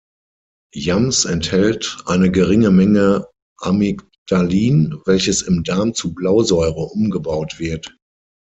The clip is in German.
Yams enthält eine geringe Menge Amygdalin, welches im Darm zu Blausäure umgebaut wird.